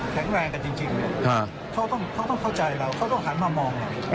แข็งแรงกันจริงเขาต้องเข้าใจเราเขาต้องหันมามองเรา